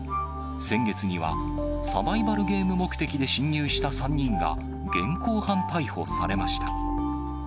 先月には、サバイバルゲーム目的で侵入した３人が、現行犯逮捕されました。